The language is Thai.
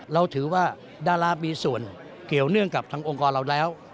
เราถือว่าดารามีส่วนเกี่ยวเนื่องกับทางองค์กรเราแล้ว